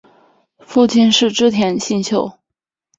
父亲是织田信秀。